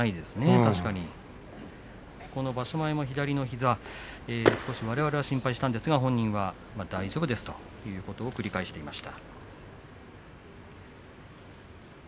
確かに、場所前も左の膝少し心配はしたんですが本人は大丈夫ですということを繰り返していました。